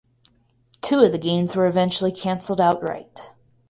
Two of the games were eventually canceled outright.